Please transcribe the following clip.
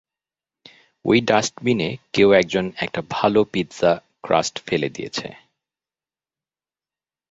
ওই ডাস্টবিনে কেউ একজন একটা ভালো পিজ্জা ক্রাস্ট ফেলে দিয়েছে।